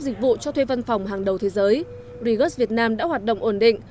dịch vụ cho thuê văn phòng hàng đầu thế giới resgart việt nam đã hoạt động ổn định